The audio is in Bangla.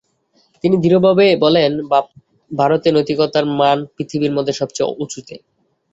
তিনি দৃঢ়ভাবে বলেন, ভারতে নৈতিকতার মান পৃথিবীর মধ্যে সবচেয়ে উঁচুতে।